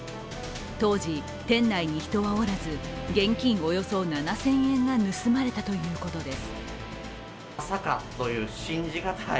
当時、店内に人はおらず現金およそ７０００円が盗まれたということです。